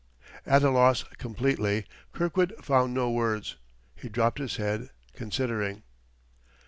At a loss completely, Kirkwood found no words. He dropped his head, considering.